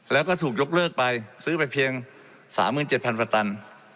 แล้วก็ถูกยกเลิกไปซื้อไปเพียง๓๗๐๐กว่าตัน